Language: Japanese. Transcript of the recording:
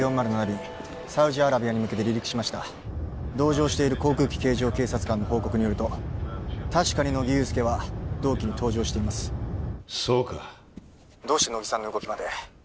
便サウジアラビアに向けて離陸しました同乗している航空機警乗警察官の報告によると確かに乃木憂助は同機に搭乗していますそうか☎どうして乃木さんの動きまで？